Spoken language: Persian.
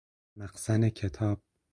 مخزن کتاب